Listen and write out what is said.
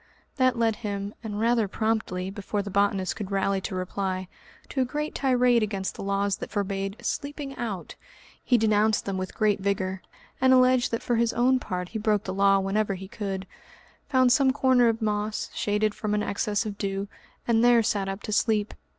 That led him, and rather promptly, before the botanist could rally to reply, to a great tirade against the laws that forbade "sleeping out." He denounced them with great vigour, and alleged that for his own part he broke that law whenever he could, found some corner of moss, shaded from an excess of dew, and there sat up to sleep.